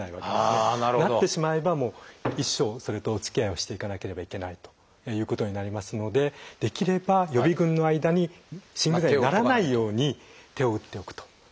なってしまえばもう一生それとおつきあいをしていかなければいけないということになりますのでできれば予備群の間に心不全にならないように手を打っておくと。